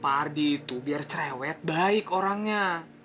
pak ardi itu biar cerewet baik orangnya